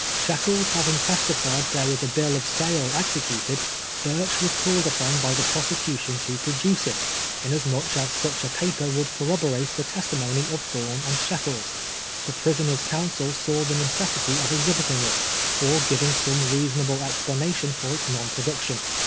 Shekels luivin<jj testified there was a bill of sale ex edited, Burch was called upon by the prosecution to produce it, inasmuch as such a paper would corrobo rate the testiniitiiy of Thorn and Shekels. The pris oner's counsel saw the necessity of exhibiting it, or giving some reasonable exphmation for its non pro duction.